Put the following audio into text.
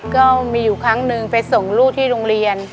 ก็มีอยู่ครั้งหนึ่งไปส่งลูกที่โรงเรียน